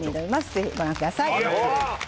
ぜひご覧ください